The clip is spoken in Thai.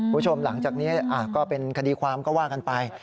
คุณผู้ชมหลังจากนี้ก็เป็นคดีความก็ว่ากันไป